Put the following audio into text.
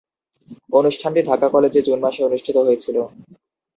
অনুষ্ঠানটি ঢাকা কলেজে জুন মাসে অনুষ্ঠিত হয়েছিলো।